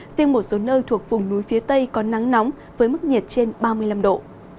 riêng một số nơi thuộc vùng núi phía tây có nắng nóng với mức nhiệt trên ba mươi năm độ